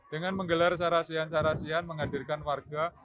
dengan menggelar sarasian sarasian menghadirkan warga